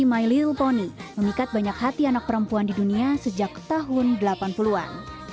my lil pony memikat banyak hati anak perempuan di dunia sejak tahun delapan puluh an